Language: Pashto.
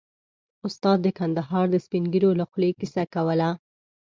استاد د کندهار د سپين ږيرو له خولې کيسه کوله.